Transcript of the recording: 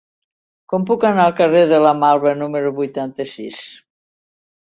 Com puc anar al carrer de la Malva número vuitanta-sis?